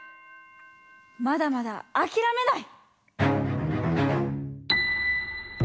まだまだあきらめない！